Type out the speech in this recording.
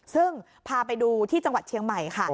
ซึ่งพาไปดูที่จังหวัดเชียงใหม่ค่ะ